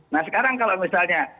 nah sekarang kalau misalnya